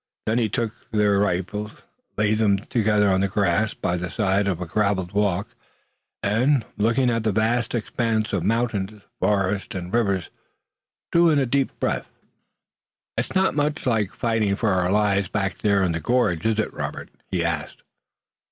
Then he took their three rifles, laid them together on the grass by the side of a graveled walk and, looking at the vast expanse of mountain, forest and river, drew a deep breath. "It's not much like fighting for our lives back there in the gorge, is it, Robert?" he asked.